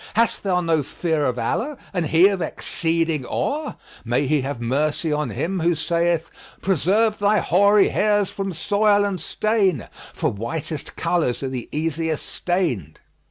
Hast thou no fear of Allah, and He of exceeding awe?[FN#45] May He have mercy on him who saith, 'Preserve thy hoary hairs from soil and stain, * For whitest colours are the easiest stained!'"